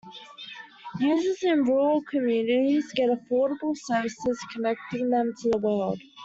Users in rural communities get affordable services connecting them to the world.